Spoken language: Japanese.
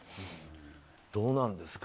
どうなんですか？